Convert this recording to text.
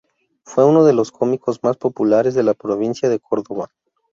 Fue uno de los cómicos más populares de la provincia de Córdoba.